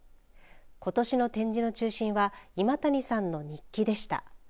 ことしの展示の中心は今谷さんの日記でした。